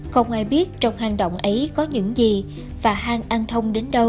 không ai biết trong hang động ấy có những gì và hang an thông đến đâu